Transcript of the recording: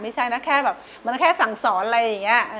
ไม่ใช่แบบน่ากลับมาแบบแส่สั่งสอนอะไรอย่างนี้